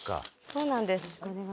「そうなんです」